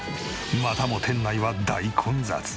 またも店内は大混雑。